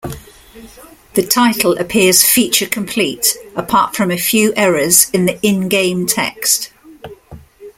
The title appears feature-complete, apart from a few errors in the in-game text.